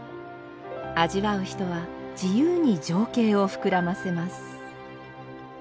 味わう人は自由に情景を膨らませます。